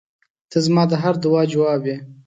• ته زما د هر دعا جواب یې.